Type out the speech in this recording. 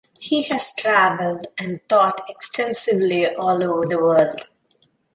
He has traveled and taught extensively all over the world.